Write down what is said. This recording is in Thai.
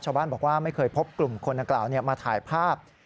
ชาวบ้านบอกว่าไม่เคยพบกลุ่มคนดังกล่าวมาถ่ายภาพ